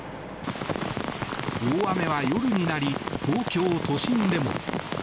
大雨は夜になり東京都心でも。